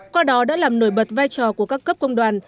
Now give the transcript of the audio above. qua đó đã làm nổi bật vai trò của các cấp công đoàn